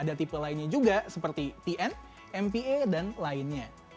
ada tipe lainnya juga seperti tn mpa dan lainnya